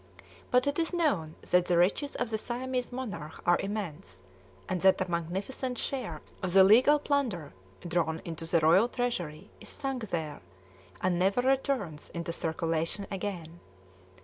But it is known that the riches of the Siamese monarch are immense, and that a magnificent share of the legal plunder drawn into the royal treasury is sunk there, and never returns into circulation again.